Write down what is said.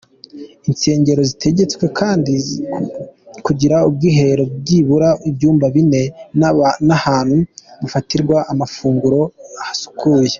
Insengero zitegetswe kandi kugira ubwiherero byibura ibyumba bine n’ahantu hafatirwa amafunguro hasukuye.